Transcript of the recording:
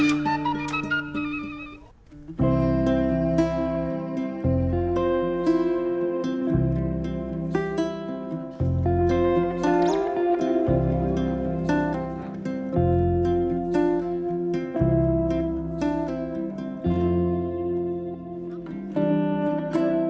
ketika mengambil alihkan keamanan